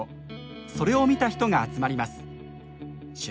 それを見た人が集まります。